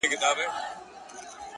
دوستان له یو بل سره وخت تېروي